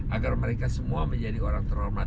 agar mereka semua menjadi orang terhormat